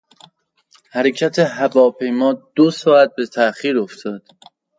حرکت هواپیما دو ساعت به تاخیر افتاد.